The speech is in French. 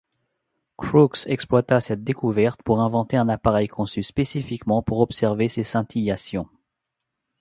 Crookes exploita cette découverte pour inventer un appareil conçu spécifiquement pour observer ces scintillations.